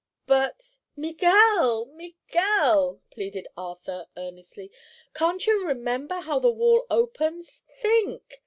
"But—Miguel, Miguel!" pleaded Arthur, earnestly, "can't you remember how the wall opens? Think!